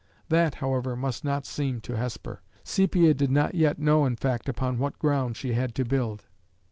That, however, must not seem to Hesper. Sepia did not yet know in fact upon what ground she had to build.